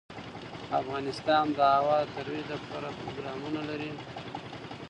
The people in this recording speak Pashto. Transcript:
افغانستان د هوا د ترویج لپاره پروګرامونه لري.